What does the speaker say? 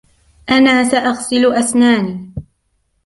أنا سأغسل أسناني.